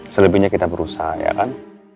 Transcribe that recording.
selebihnya kita berusaha ya kan